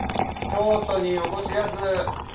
京都におこしやす。